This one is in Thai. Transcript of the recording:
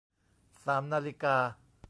สามนาฬิกา